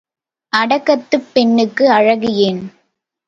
அடக்கத்துப் பெண்ணுக்கு அழகு ஏன்?